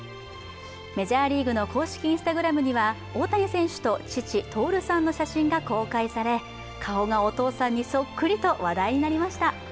メジャーリーグの公式Ｉｎｓｔａｇｒａｍには大谷選手と父・徹さんの写真が公開され顔がお父さんにそっくりと話題になりました。